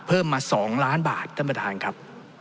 เพิ่มมา๒ล้านบาทท่านประธานครับ